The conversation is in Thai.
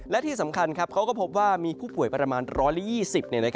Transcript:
และที่สำคัญเขาก็พบว่ามีผู้ป่วยประมาณ๑๒๐